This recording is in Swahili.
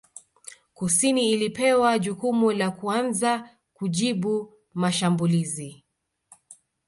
Kusini ilipewa jukumu la kuanza kujibu mashambulizi